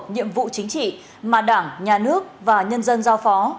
nhiệm vụ chính trị mà đảng nhà nước và nhân dân giao phó